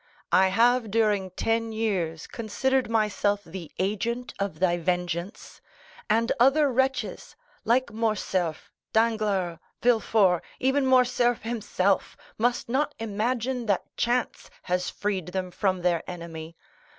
I have during ten years considered myself the agent of thy vengeance, and other wretches, like Morcerf, Danglars, Villefort, even Morcerf himself, must not imagine that chance has freed them from their enemy.